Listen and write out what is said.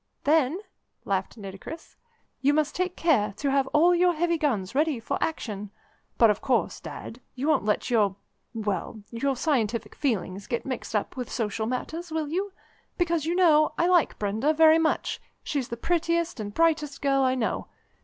"Then," laughed Nitocris, "you must take care to have all your heavy guns ready for action. But, of course, Dad, you won't let your well, your scientific feelings get mixed up with social matters, will you? Because, you know, I like Brenda very much; she's the prettiest and brightest girl I know.